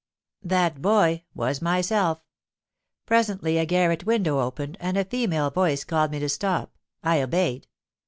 That boy was myself. Presently a garret window opened, and a female voice called me to stop. I obeyed.